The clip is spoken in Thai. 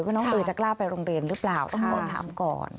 ว่าน้อง่อจะกล้าไปโรงเรียนหรือเปล่าต้องก่อนถามก่อน